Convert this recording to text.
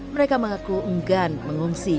mereka mengaku enggan mengungsi